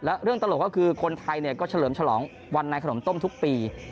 และเรื่องตลกก็คือคนไทยก็เฉลิมฉลองวันในขนมต้มทุกปี